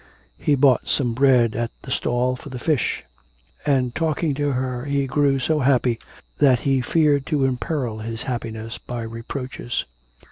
He bought some bread at the stall for the fish; and talking to her he grew so happy that he feared to imperil his happiness by reproaches.